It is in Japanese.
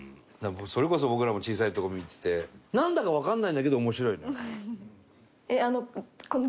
それこそ僕らも小さい頃見ててなんだかわかんないんだけど面白いのよ。